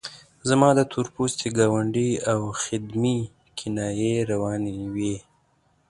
زما د تور پوستي ګاونډي او خدمې کنایې روانې وې.